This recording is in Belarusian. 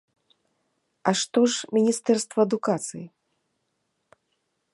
А што ж міністэрства адукацыі?